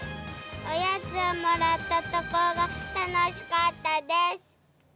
おやつをもらったところが楽しかったです。